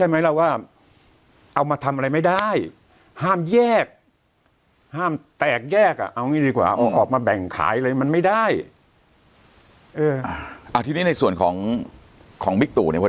นี่ดีกว่าออกมาแบ่งขายอะไรมันไม่ได้เอออ่าทีนี้ในส่วนของของมิกตุในคน